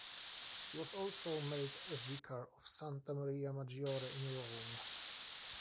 He was also made vicar of Santa Maria Maggiore in Rome.